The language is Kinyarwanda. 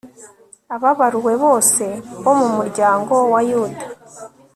ababaruwe bose bo mu muryango wa yuda